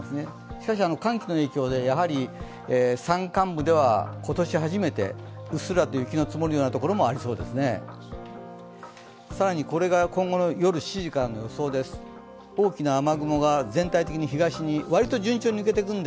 しかし寒気の影響でやはり山間部では今年初めてうっすらと雪が積もるようなところはあるかもしれません。